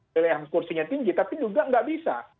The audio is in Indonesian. pilihan kursinya tinggi tapi juga nggak bisa